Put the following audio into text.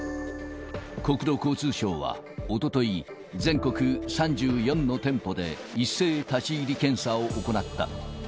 国土交通省はおととい、全国３４の店舗で一斉立ち入り検査を行った。